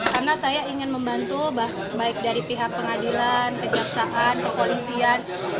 karena saya ingin membantu baik dari pihak pengadilan kejaksaan kepolisian